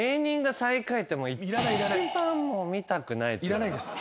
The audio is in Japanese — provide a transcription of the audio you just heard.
いらないです。